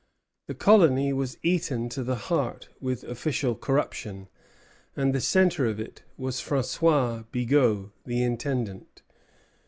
The colony was eaten to the heart with official corruption; and the centre of it was François Bigot, the intendant.